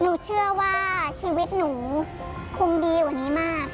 หนูเชื่อว่าชีวิตหนูคงดีกว่านี้มาก